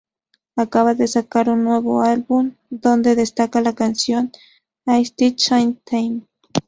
Acaba de sacar su nuevo álbum donde destaca la canción "A stitch in time".